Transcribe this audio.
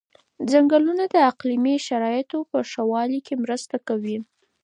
ځنګلونه د اقلیمي شرایطو په ښه والي کې مرسته کوي.